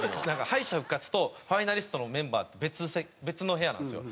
敗者復活とファイナリストのメンバーって別の部屋なんですよ。